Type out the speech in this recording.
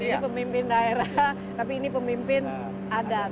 ini pemimpin daerah tapi ini pemimpin adat